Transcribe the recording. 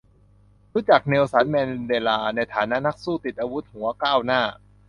รู้จัก เนลสัน แมนเดลา ในฐานะนักสู้ติดอาวุธหัวก้าวหน้า